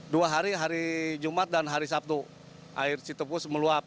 dua hari hari jumat dan hari sabtu air citepus meluap